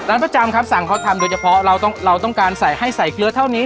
ประจำครับสั่งเขาทำโดยเฉพาะเราต้องการใส่ให้ใส่เกลือเท่านี้